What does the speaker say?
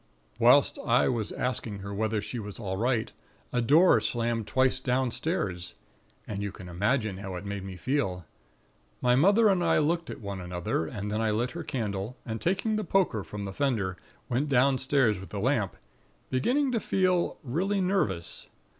"Whilst I was asking her whether she was all right, a door slammed twice downstairs; and you can imagine how it made me feel. My mother and I looked at one another; and then I lit her candle, and taking the poker from the fender, went downstairs with the lamp, beginning to feel really nervous.